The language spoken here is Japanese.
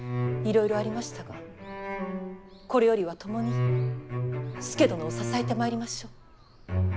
いろいろありましたがこれよりは共に佐殿を支えてまいりましょう。